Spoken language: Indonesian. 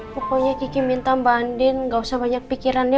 pokoknya kiki minta mbak andin gak usah banyak pikirannya